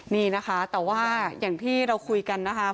นี่นะคะแต่ว่าอย่างที่เราคุยกันนะคะ